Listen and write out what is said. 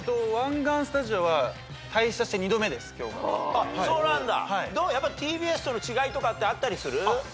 あっそうなんだ。